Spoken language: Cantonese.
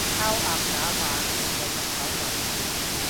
烤鴨架飯，盛惠十九文